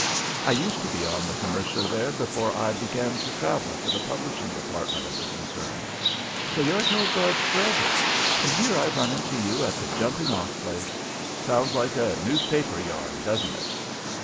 I used to be on the Commercial there before I began to travel for the publishing department of the concern. So you're Hilgarde's brother, and here I've run into you at the jumping off place. Sounds like a newspaper yarn, doesn't it?"